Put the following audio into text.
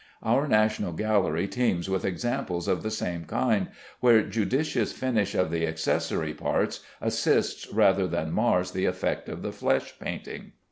Our National Gallery teems with examples of the same kind, where judicious finish of the accessory parts assists rather than mars the effect of the flesh painting.